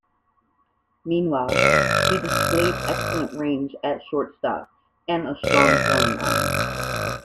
Meanwhile, he displayed excellent range at shortstop and a strong throwing arm.